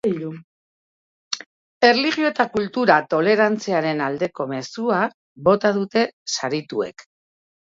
Erlijio eta kultura tolerantziaren aldeko mezua bota dute sarituek.